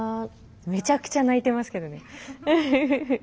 めちゃくちゃ泣いてますけどね。